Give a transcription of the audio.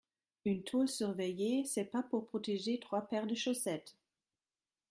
Une taule surveillée c’est pas pour protéger trois paires de chaussettes